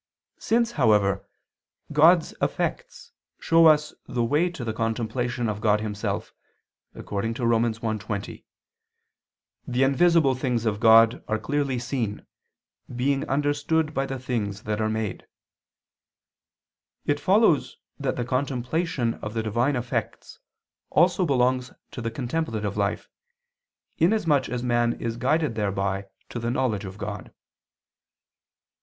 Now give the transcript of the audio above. Since, however, God's effects show us the way to the contemplation of God Himself, according to Rom. 1:20, "The invisible things of God ... are clearly seen, being understood by the things that are made," it follows that the contemplation of the divine effects also belongs to the contemplative life, inasmuch as man is guided thereby to the knowledge of God.